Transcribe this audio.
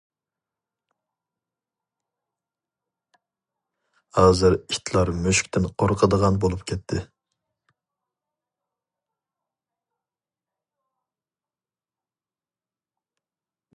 ھازىر ئىتلار مۈشۈكتىن قورقىدىغان بولۇپ كەتتى.